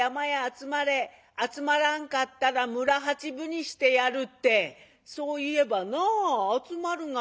集まらんかったら村八分にしてやる』ってそう言えばな集まるがや」。